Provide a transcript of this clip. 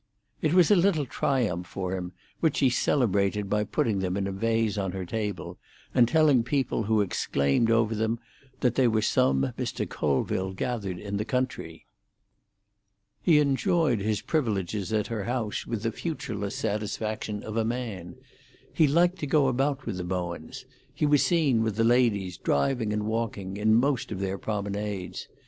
It was a little triumph for him, which she celebrated by putting them in a vase on her table, and telling people who exclaimed over them that they were some Mr. Colville gathered in the country. He enjoyed his privileges at her house with the futureless satisfaction of a man. He liked to go about with the Bowens; he was seen with the ladies driving and walking, in most of their promenades.